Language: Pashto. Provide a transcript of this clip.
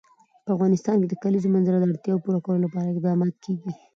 په افغانستان کې د کلیزو منظره د اړتیاوو پوره کولو لپاره اقدامات کېږي.